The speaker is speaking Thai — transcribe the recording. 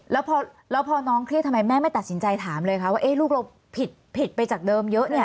แล้วพอน้องเครียดทำไมแม่ไม่ตัดสินใจถามเลยคะว่าลูกเราผิดไปจากเดิมเยอะเนี่ย